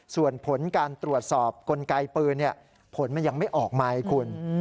ส่วนผลการตรวจสอบกลไกปืนผลมันยังไม่ออกมาไงคุณ